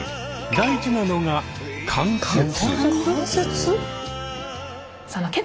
大事なのが「関節」。